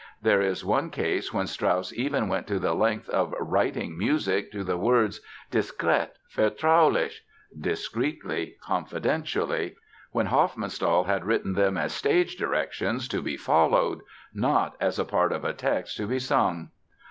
There is one case when Strauss even went to the length of writing music to the words "diskret, vertraulich" ("discreetly, confidentially") when Hofmannsthal had written them as stage directions to be followed not as part of a text to be sung!